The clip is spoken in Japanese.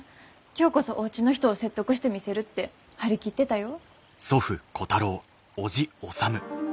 今日こそおうちの人を説得してみせるって張り切ってたよ。